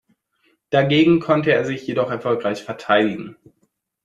Dagegen konnte er sich jedoch erfolgreich verteidigen.